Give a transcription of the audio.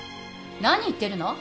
何言ってるの？